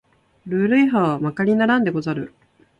ルール違反はまかなりならんでござる